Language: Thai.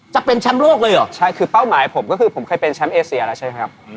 จะเป็นแชมป์โลกเลยเหรอใช่คือเป้าหมายผมก็คือผมเคยเป็นแชมป์เอเซียแล้วใช่ไหมครับ